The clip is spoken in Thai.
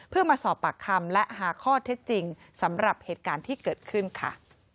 เพื่อมาสอบปากคำและหาข้อเท็จจริงสำหรับเหตุการณ์ที่เกิดขึ้นค่ะ